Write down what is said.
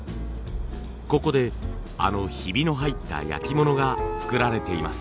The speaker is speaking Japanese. ここであのヒビの入った焼き物が作られています。